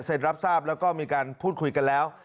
รับทราบแล้วก็มีการพูดคุยกันแล้ว